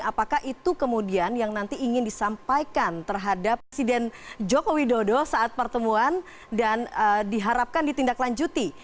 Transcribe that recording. apakah itu kemudian yang nanti ingin disampaikan terhadap presiden joko widodo saat pertemuan dan diharapkan ditindaklanjuti